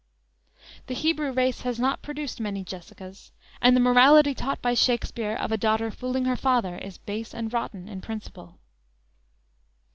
The Hebrew race has not produced many Jessicas; and the morality taught by Shakspere of a daughter "fooling her father" is base and rotten in principle.